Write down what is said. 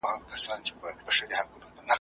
پر لړمون مي چړې گرځي زړه مي شين دئ ,